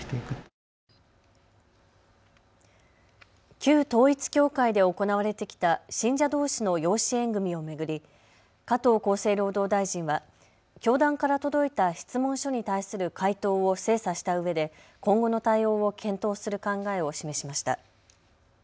旧統一教会で行われてきた信者どうしの養子縁組みを巡り加藤厚生労働大臣は教団から届いた質問書に対する回答を精査したうえで今後の対応を検討する考えを示しました。